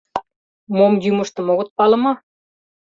— Мом йӱмыштым огыт пале мо?..